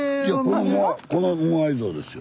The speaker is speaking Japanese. このモアイ像ですよ。